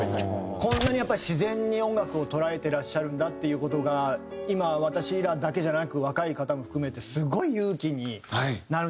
こんなにやっぱり自然に音楽を捉えてらっしゃるんだっていう事が今私らだけじゃなく若い方も含めてすごい勇気になるんじゃないかなと。